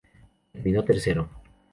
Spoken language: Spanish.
Terminó tercero.